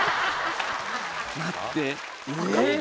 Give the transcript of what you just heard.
待って上？